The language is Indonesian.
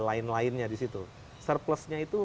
lain lainnya di situ surplusnya itu